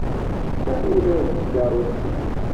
D taruradt tkeṛṛust-ik?